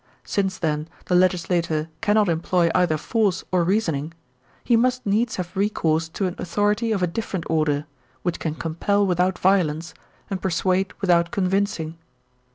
Since, then, the legislator cannot employ either force or reason ing, he must needs have recourse to an authority of a different order, which can compel without violence and persuade without convincing.